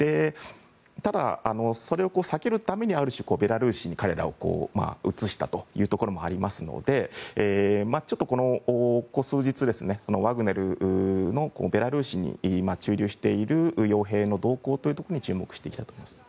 ただ、それを避けるためにベラルーシに彼らを移したというところもありますのでちょっと、ここ数日ワグネルのベラルーシに駐留している傭兵の動向というところに注目していきたいと思います。